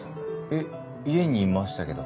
えっ家にいましたけど。